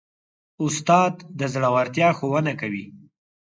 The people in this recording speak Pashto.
استاد د زړورتیا ښوونه کوي.